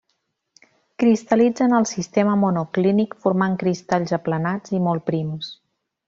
Cristal·litza en el sistema monoclínic formant cristalls aplanats i molt prims.